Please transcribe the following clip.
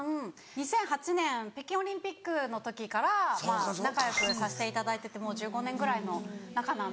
２００８年北京オリンピックの時から仲良くさせていただいててもう１５年ぐらいの仲なんですよ。